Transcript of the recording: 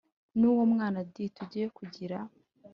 N uwo mwanad tujyeyo kugira